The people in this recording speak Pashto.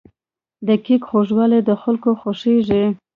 د کیک خوږوالی د خلکو خوښیږي.